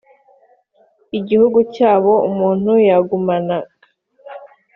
igihugu cyabo umuntu yagumanaga